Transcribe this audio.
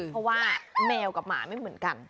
เพราะว่าแมวกับหมาไม่เหมือนกัน